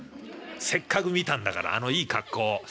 せっかく見たんだからあのいい格好を。